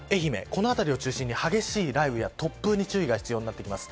この辺りを中心に激しい雷雨や突風に注意が必要になってきます。